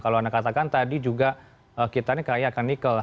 kalau anda katakan tadi juga kita ini kaya akan nikel